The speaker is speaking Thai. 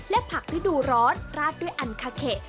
และผักฤดูร้อนราดด้วยอันคาเขะ